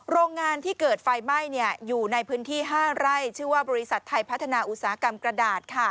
โรงงานที่เกิดไฟไหม้อยู่ในพื้นที่๕ไร่ชื่อว่าบริษัทไทยพัฒนาอุตสาหกรรมกระดาษ